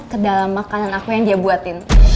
kedalam makanan aku yang dia buatin